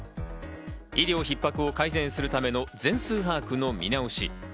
医療ひっ迫を改善するための全数把握の見直し。